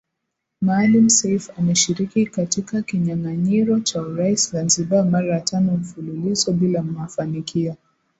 Maalim Seif ameshiriki katika kinyanganyiro cha urais Zanzibar mara tano mfululizo bila mafanikio